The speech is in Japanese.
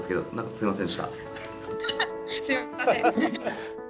すみません。